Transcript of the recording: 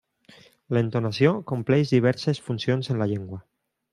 L'entonació compleix diverses funcions en la llengua.